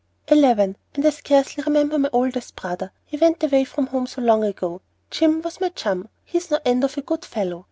"Eleven, and I scarcely remember my oldest brother, he went away from home so long ago. Jim was my chum, he's no end of a good fellow.